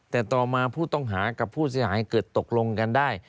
แต่ต่อมาผู้ต้องหากับผู้เสียหายเกิดตกลงกันได้